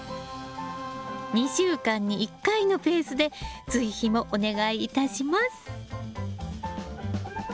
２週間に１回のペースで追肥もお願いいたします。